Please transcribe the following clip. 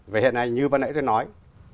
vậy hiện nay như bất nãy tôi nói